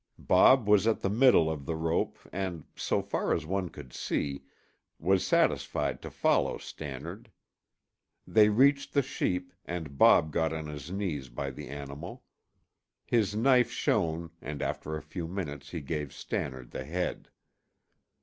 Bob was at the middle of the rope and, so far as one could see, was satisfied to follow Stannard. They reached the sheep, and Bob got on his knees by the animal. His knife shone and after a few minutes he gave Stannard the head.